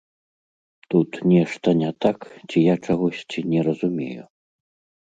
Тут нешта не так ці я чагосьці не разумею?